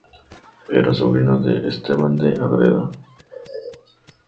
Era sobrino de Esteban de Ágreda.